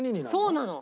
そうなの。